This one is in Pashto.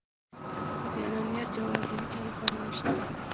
د انانيت جواز د هيچا لپاره نشته.